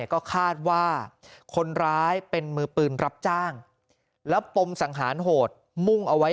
ก็คาดว่าคนร้ายเป็นมือปืนรับจ้างแล้วปมสังหารโหดมุ่งเอาไว้